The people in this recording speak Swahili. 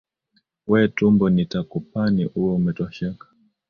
We tumbo nitakupani, uwe umetosheka?